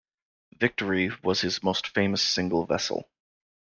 "Victory" was his most famous single vessel.